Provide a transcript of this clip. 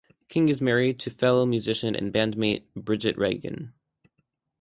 King is married to fellow musician and band mate Bridget Regan.